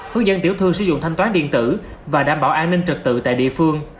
hứa dân tiểu thư sử dụng thanh toán điện tử và đảm bảo an ninh trật tự tại địa phương